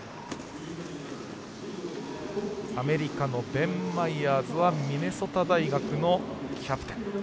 アメリカのベン・マイヤーズはミネソタ大学のキャプテン。